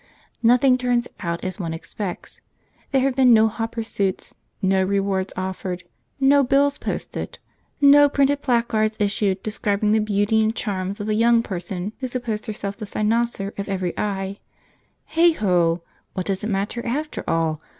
Nothing turns out as one expects. There have been no hot pursuits, no rewards offered, no bills posted, no printed placards issued describing the beauty and charms of a young person who supposed herself the cynosure of every eye. Heigh ho! What does it matter, after all?